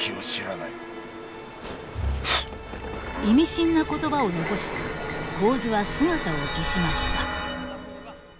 意味深な言葉を残して神頭は姿を消しました。